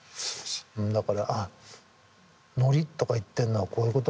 だから「あっノリとか言ってんのはこういうことか」っていう。